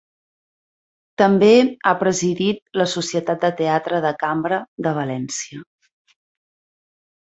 També ha presidit la Societat de Teatre de Cambra de València.